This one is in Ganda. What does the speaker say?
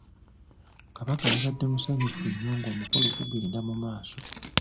Kabaka yabadde mukyamufu nnyo ng'omukolo gugenda mu maaso .